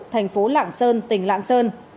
thành phố lạng sơn tỉnh lạng sơn